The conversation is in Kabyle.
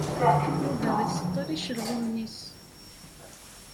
Yuba iseṭṭel icelɣumen-is.